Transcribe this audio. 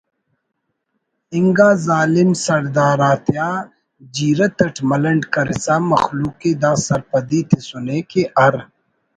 انگا ظالم سڑدار آتیا جیرت اٹ ملنڈ کرسا مخلوق ءِ دا سرپدی تسنے کہ ہر